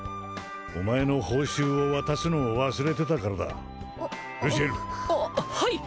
お前の報酬を渡すのを忘れてたからだルシエルははい！